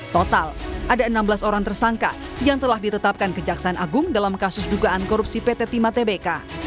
total ada enam belas orang tersangka yang telah ditetapkan kejaksaan agung dalam kasus dugaan korupsi pt timah tbk